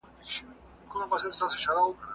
خدایه کشکي یا زه نه وای او داستا رنګین جهان وای